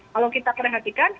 kalau kita perhatikan